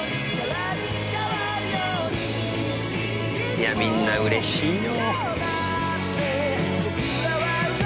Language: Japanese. いやあみんな嬉しいよ。